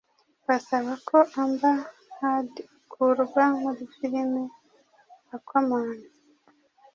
basaba ko Amber Heard akurwa muri filime Aquaman